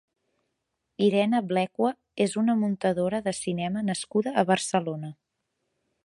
Irene Blecua és una muntadora de cinema nascuda a Barcelona.